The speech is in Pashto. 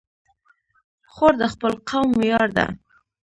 خور د خپل قوم ویاړ ده.